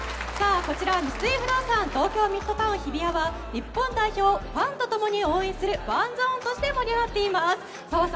こちら、三井不動産・東京ミッドタウン日比谷は日本代表をファンとともに応援するファンゾーンとして盛り上がっています。